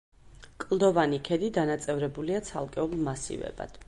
კლდოვანი ქედი დანაწევრებულია ცალკეულ მასივებად.